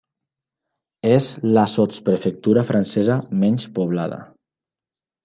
És la sotsprefectura francesa menys poblada.